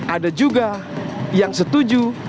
ada juga yang setuju